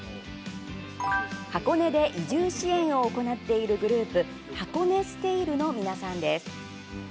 箱根で移住支援を行っているグループハコネステイルの皆さんです。